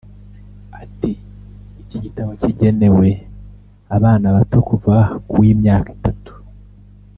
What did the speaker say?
Ati “Iki gitabo kigenewe abana bato kuva ku w’imyaka itatu